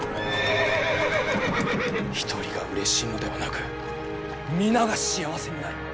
一人がうれしいのではなく皆が幸せになる。